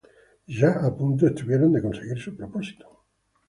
Ya a punto estuvieron de conseguir su propósito.